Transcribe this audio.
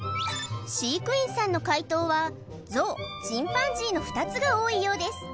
飼育員さんの回答はゾウチンパンジーの２つが多いようです